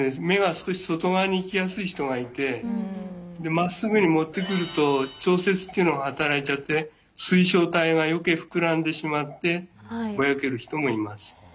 目が少し外側に行きやすい人がいてまっすぐに持ってくると調節っていうのが働いちゃって水晶体が余計膨らんでしまってぼやける人もいます。